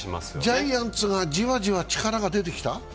ジャイアンツがじわじわ力で出てきた？